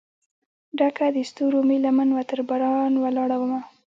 ډکه دستورومې لمن وه ترباران ولاړ مه